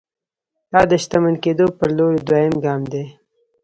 دا د شتمن کېدو پر لور دویم ګام دی